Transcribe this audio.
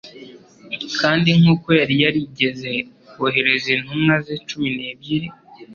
Kandi nk'uko yari yarigeze kohereza Intumwa ze cumi n'ebyiri,